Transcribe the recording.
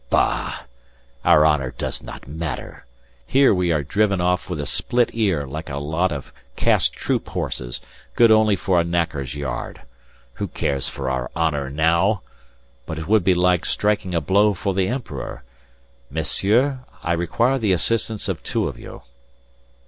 Bah! Our honour does not matter. Here we are driven off with a split ear like a lot of cast troop horses good only for a knacker's yard. Who cares for our honour now? But it would be like striking a blow for the emperor.... Messieurs, I require the assistance of two of you."